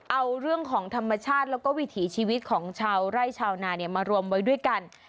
เอาเรื่องของธรรมชาติแล้วก็วิถีชีวิตของชาวไร่ชาวนาเนี่ยมารวมไว้ด้วยกัน